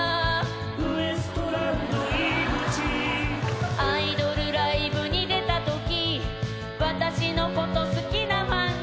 「ウエストランド井口」「アイドルライブに出たとき私のこと好きなファンに」